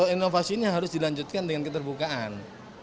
inovasi ini harus dilanjutkan dengan keterbukaan